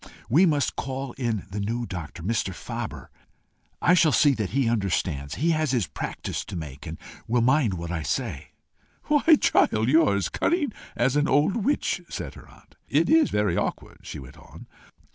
We must call in the new doctor, Mr. Faber. I shall see that he understands. He has his practice to make, and will mind what I say." "Why, child, you are as cunning as an old witch!" said her aunt. "It is very awkward," she went on.